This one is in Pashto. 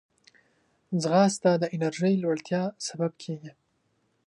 ځغاسته د انرژۍ لوړتیا سبب کېږي